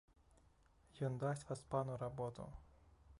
Ён дасць васпану работу.